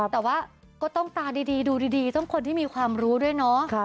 แต่ว่าก็ต้องตาดีดูดีต้องคนที่มีความรู้ด้วยเนาะ